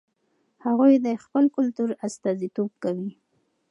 هغوی د خپل کلتور استازیتوب کوي.